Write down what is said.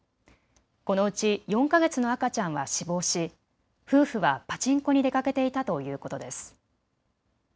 このうち４か月の赤ちゃんは死亡し夫婦はパチンコに出かけていたということです。